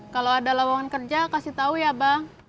kalau ada lawangan kerja kasih tahu ya bang